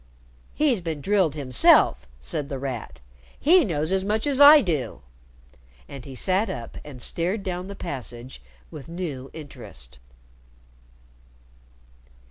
"He's been drilled himself," said The Rat. "He knows as much as I do." And he sat up and stared down the passage with new interest.